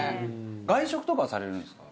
外食とかはされるんですか？